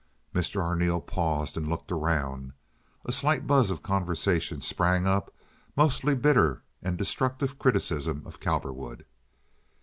Mr. Arneel paused and looked around. A slight buzz of conversation sprang up, mostly bitter and destructive criticism of Cowperwood.